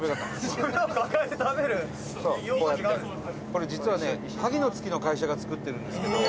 これ、実はね、萩の月の会社が作ってるんですけど。